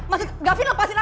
maksudnya gavin lepasin aku